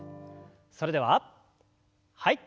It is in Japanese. それでははい。